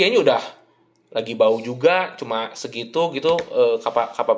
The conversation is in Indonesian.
jadi gimana gitu ya